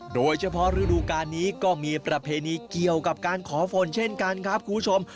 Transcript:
โดยเฉพาะฤดูการนี้ก็มีประเพณีเกี่ยวกับการขอฝนเช่นกันครับคุณผู้ชม